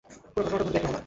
পুরো ঘটনাটা ঘটবে এক লহমায়।